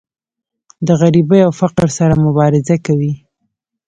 د غریبۍ او فقر سره مبارزه کوي.